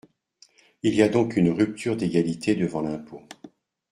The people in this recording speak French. Il y a donc une rupture d’égalité devant l’impôt.